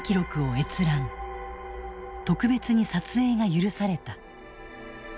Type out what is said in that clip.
特別に撮影が許された。